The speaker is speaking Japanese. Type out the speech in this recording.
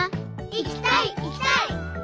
いきたいいきたい！